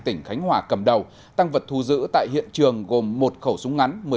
tỉnh khánh hòa cầm đầu tăng vật thu giữ tại hiện trường gồm một khẩu súng ngắn